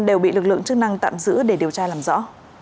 đều bị lực lượng chức năng tạm giữ để điều tra làm rõ